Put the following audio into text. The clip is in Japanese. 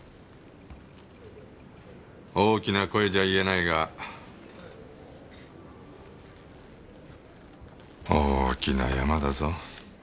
大きな声じゃ言えないがおーきな事件だぞ。